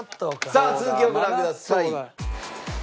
さあ続きをご覧ください。